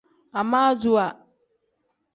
Amaasuwa.